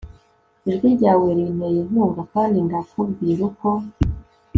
ijwi ryawe rinteye inkunga, kandi ndakubwira uko